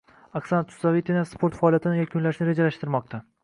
Oksana Chusovitina sport faoliyatini yakunlashni rejalashtirmoqda